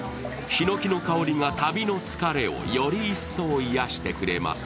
檜の香りが旅の疲れをより一層癒してくれます。